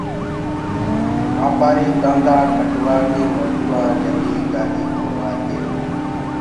واپآري ڪآندآ ڪٽوآڪي مجورآن جريئي گاڏي ڀروآڪي